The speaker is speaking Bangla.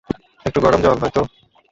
একটু গরম জল, হয়তো?